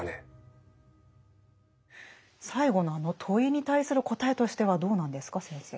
最後のあの問いに対する答えとしてはどうなんですか先生。